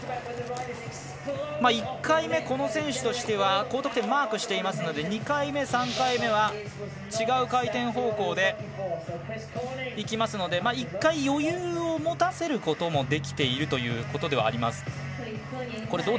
１回目、この選手としては高得点、マークしていますので２回目、３回目は違う回転方法でいきますので１回、余裕を持たせることもできているということではあります。